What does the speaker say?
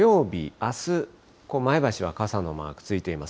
あす、前橋は傘のマークついています。